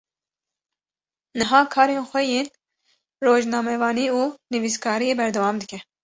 Niha karên xwe yên rojnamevanî û nivîskariyê berdewam dike.